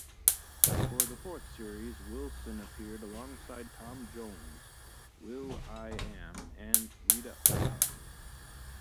For the fourth series, Wilson appeared alongside Tom Jones, will.i.am and Rita Ora.